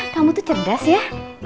kamu tuh cerdas ya